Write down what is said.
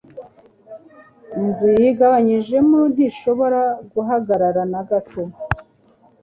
Inzu yigabanyijemo ntishobora guhagarara na gato